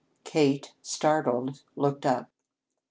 Kate, startled, looked up.